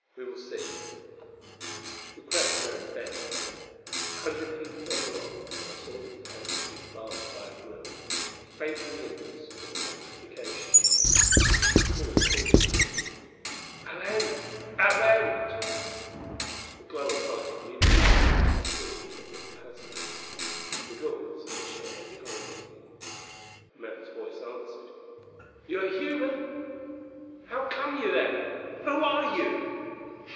"We will see." We crept around the bend. A hundred feet further on I saw that the passage was barred by a grille, faintly luminous with electrification. I called cautiously: "Alent! Alent!" A glow of light illuminated me as I stood in the middle of the passage; Migul was in a shadow behind me. A man's voice answered, "You are a human? How come you there? Who are you?"